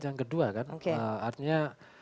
yang kedua kan artinya